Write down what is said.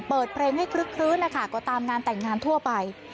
เปิดเพลงให้คลึกคลื้นนะคะก็ตามงานแต่งงานทั่วไป